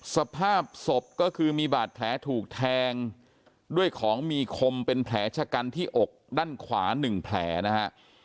สภาพศพก็คือมีบาดแผลถูกแทงด้วยของมีคมเป็นแผลชะกันที่อกด้านขวา๑แผลนะฮะ